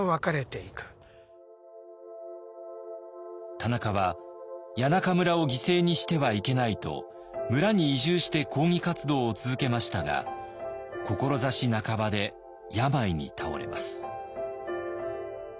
田中は谷中村を犠牲にしてはいけないと村に移住して抗議活動を続けましたが志半ばで病に倒れます。